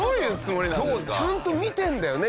ちゃんと見てるんだよね